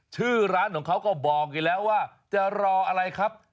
ชื่อร้านของเขาก็บอกอยู่แล้วว่าจะรออะไรครับ